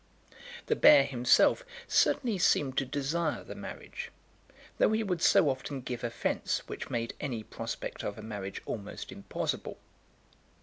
The bear himself certainly seemed to desire the marriage, though he would so often give offence which made any prospect of a marriage almost impossible.